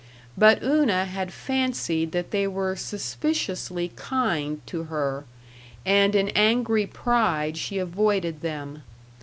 But Una had fancied that they were suspiciously kind to her, and in angry pride she avoided them.